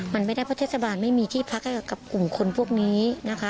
มันไม่ได้เพราะเทศบาลไม่มีที่พักให้กับกลุ่มคนพวกนี้นะคะ